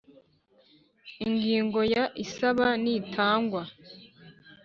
Ingingo ya Isaba n itangwa